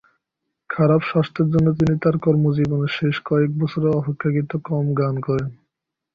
খারাপ স্বাস্থ্যের জন্য তিনি তাঁর কর্মজীবনের শেষ কয়েক বছরে অপেক্ষাকৃত কম গান করেন।